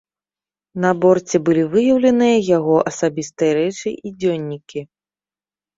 На борце былі выяўленыя яго асабістыя рэчы і дзённікі.